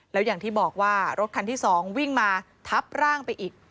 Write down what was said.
แล้วอย่างที่บอกว่ารถคันที่๒วิ่งมาทับร่างไปอีก